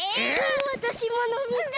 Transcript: わたしものみたい！